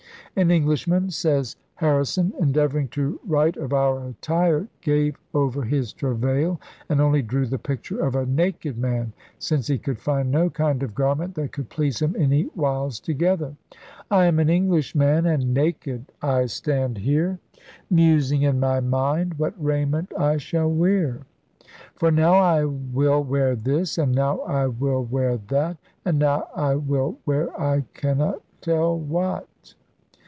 'An Englishman,' says Harri son, * endeavouring to write of our attire, gave over his travail, and only drew the picture of a naked man, since he could find no kind of garment that could please him any whiles together. I am an English man and naked I stand here, Musing in my mind what raiment I shall were; For now I will were this, and now I will were that; And now I will were I cannot tell what.